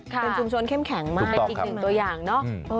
เป็นชุมชนเข้มแข็งมากเป็นอีกหนึ่งตัวอย่างเนอะ